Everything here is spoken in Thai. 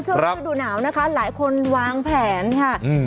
ช่วงวันศูนย์ดูหนาวนะคะหลายคนวางแผนค่ะอืม